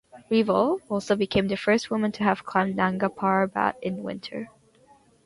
Revol also became the first woman to have climbed Nanga Parbat in winter.